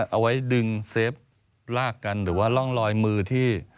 เอาไว้ดึงเซฟลากกันหรือว่าร่องรอยมือที่